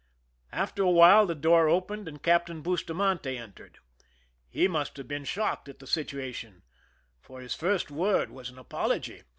After a while the door opened, and Captain Bus tamante entered. He must have been shocked at the situation, for his first word was an apology.